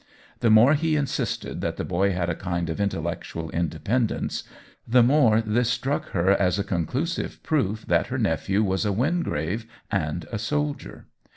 The more he insisted that the boy had a kind of intellectual independence, the more this struck her as a conclusive proof that her nephew was a Wingrave and a soldier.